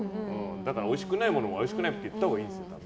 だから、おいしくないものはおいしくないって言ったほうがいいんですよ。